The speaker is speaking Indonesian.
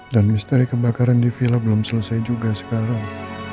dan misteri kebakaran di villa belum selesai juga sekarang